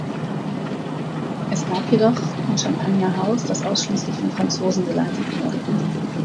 Es gab jedoch ein Champagner-Haus, das ausschließlich von Franzosen geleitet wurde.